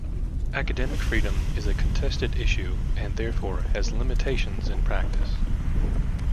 Academic freedom is a contested issue and, therefore, has limitations in practice.